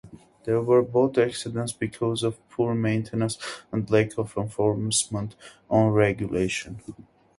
There were boat accidents because of poor maintenance and lack of enforcement on regulation.